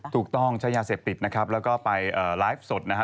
ถูกต้องใช้ยาเสพติดนะครับแล้วก็ไปไลฟ์สดนะฮะ